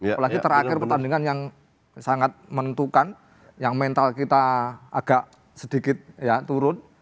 apalagi terakhir pertandingan yang sangat menentukan yang mental kita agak sedikit turun